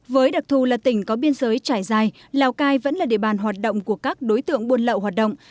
với đặc thù là tỉnh có biên giới trải dài lào cai vẫn là địa bàn hoạt động của các đối tượng buôn lậu hoạt động